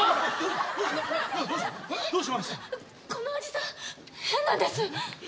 このおじさん変なんです。